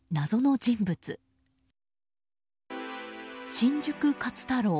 新宿勝太郎。